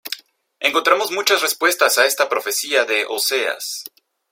Encontramos muchas respuestas a esta profecía de Oseas.